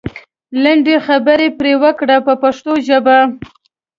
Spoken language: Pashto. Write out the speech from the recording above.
لنډې خبرې پرې وکړئ په پښتو ژبه.